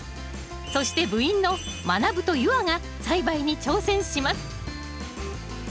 そして部員のまなぶと夕空が栽培に挑戦します